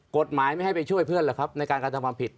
กฎหมายไม่ให้ไปช่วยเพื่อนหรอกครับในการกระทำความผิด